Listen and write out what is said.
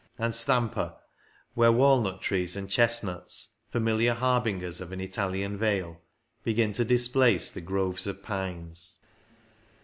and Stampa, where walnut trees and chestnuts, familiar harbingers of an Italian vale, begin to displace the groves of pines.